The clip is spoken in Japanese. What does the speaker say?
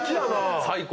最高！